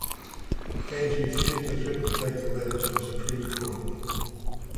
Gaines refused and threatened to take the matter to the Supreme Court.